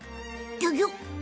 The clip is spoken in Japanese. ギョギョ！